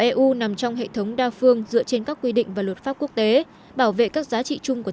eu nằm trong hệ thống đa phương dựa trên các quy định và luật pháp quốc tế bảo vệ các giá trị chung của